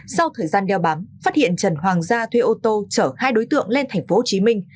sau thời gian đeo bám phát hiện trần hoàng gia thuê ô tô chở hai đối tượng lên thành phố hồ chí minh